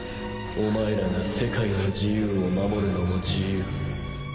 お前らが世界の自由を守るのも自由。